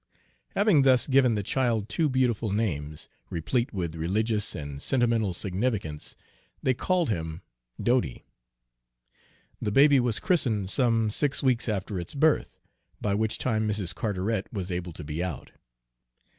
Having thus given the child two beautiful names, replete with religious and sentimental significance, they called him "Dodie." The baby was christened some six weeks after its birth, by which time Mrs. Carteret was able to be out.